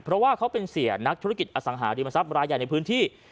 เพราะว่าเขาเป็นเสียนักธุรกิจอสังหาริมทรัพย์รายใหญ่ในพื้นที่